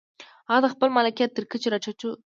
هغه د خپل ملکیت تر کچې را ټیټوو.